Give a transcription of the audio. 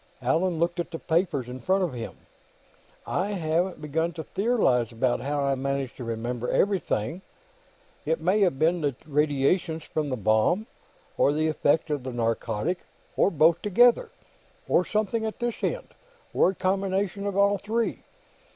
Allan looked at the papers in front of him. "I haven't begun to theorize about how I managed to remember everything. It may have been the radiations from the bomb, or the effect of the narcotic, or both together, or something at this end, or a combination of all three.